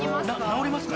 直りますか？